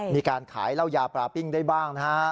มีการขายเหล้ายาปลาปิ้งได้บ้างนะฮะ